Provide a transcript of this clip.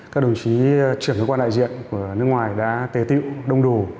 các đồng chí trưởng cơ quan đại diện của nước ngoài đã tề tiệu đông đủ